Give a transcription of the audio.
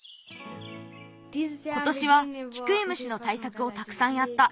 ことしはキクイムシのたいさくをたくさんやった。